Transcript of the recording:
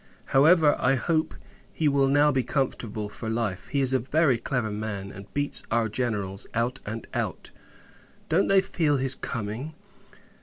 However, I hope, he will now be comfortable for life. He is a very clever man; and beats our Generals, out and out. Don't they feel his coming?